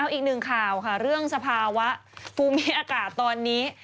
อีกหนึ่งข่าวค่ะเรื่องสภาวะภูมิอากาศตอนนี้